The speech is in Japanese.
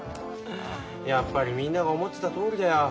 やっぱりみんなが思ってたとおりだよ。